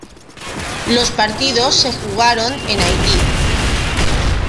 Los partidos se jugaron en Haití.